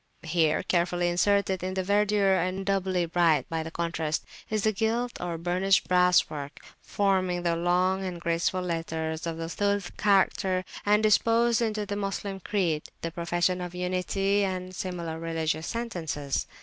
Here carefully inserted in the verdure, and doubly bright by contrast, is the gilt or burnished brass work forming the long and graceful letters of the Suls character, and disposed into the Moslem creed, the Profession of Unity, and similar religious sentences.